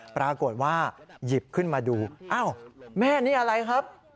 ปรากฏว่าหยิบขึ้นมาดูอ้าวแม่นี่อะไรครับ